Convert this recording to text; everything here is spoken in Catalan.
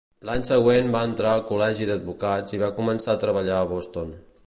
L'any següent va entrar al col·legi d'advocats i va començar a treballar a Boston.